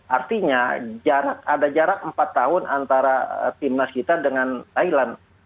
artinya ada jarak empat tahun antara timnas kita dengan thailand